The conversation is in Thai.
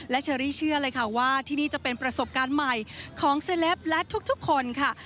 และเชอรี่เชื่อเลยค่ะว่าที่นี่จะเป็นประสบการณ์ใหม่ของเซลปและทุกคนค่ะ